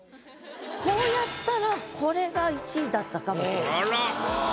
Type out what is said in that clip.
こうやったらこれが１位だったかもしれません。